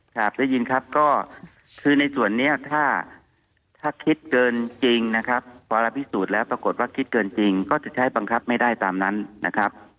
ครับได้ยินครับก็คือในส่วนนี้ถ้าคิดเกินจริงนะครับพอเราพิสูจน์แล้วปรากฏว่าคิดเกินจริงก็จะใช้บังคับไม่ได้ตามนั้นนะครับ